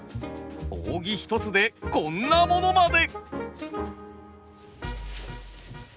扇一つでこんなものまで。